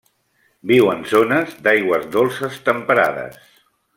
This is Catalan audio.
Viu en zones d'aigües dolces temperades.